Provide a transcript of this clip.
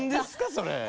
それ。